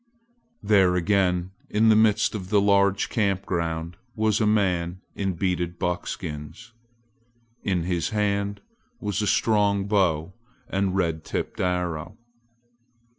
There again in the midst of the large camp ground was a man in beaded buckskins. In his hand was a strong bow and red tipped arrow.